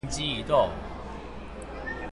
早上突然靈機一動